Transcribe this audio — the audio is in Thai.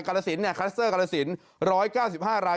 คลัสเตอร์กราศิลป์๑๙๕ลาย